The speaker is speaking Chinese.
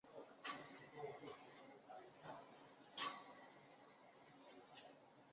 壬酸铵是具有溶解性的。